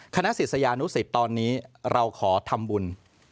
คณะศิษยานุสิตตอนนี้เราขอทำบุญ